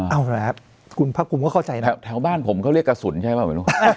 เอาหน่าคุณพระกรุงเข้าใจนะแถวบ้านผมก็เรียกกระสุนใช่ไหม